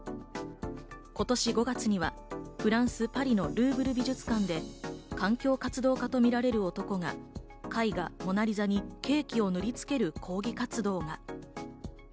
今年５月にはフランス・パリのルーブル美術館で環境活動家とみられる男が、絵画『モナ・リザ』にケーキを塗りつける抗議活動が。